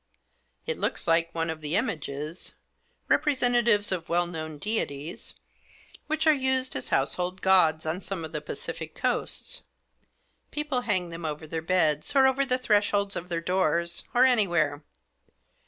" It looks like one of the images, representatives of well known deities, which are used as household gods on some of the Pacific coasts. People hang them over their beds, or over the thresholds of their doors, or anywhere.